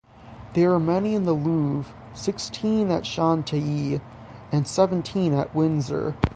There are many in the Louvre, sixteen at Chantilly, and seventeen at Windsor.